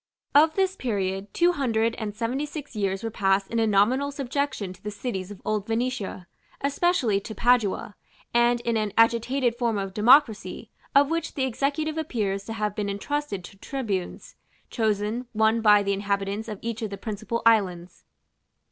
Of this period, Two Hundred and Seventy six years were passed in a nominal subjection to the cities of old Venetia, especially to Padua, and in an agitated form of democracy, of which the executive appears to have been entrusted to tribunes, chosen, one by the inhabitants of each of the principal islands.